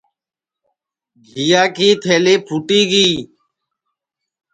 گھیا کی تھلی پُھوٹی گی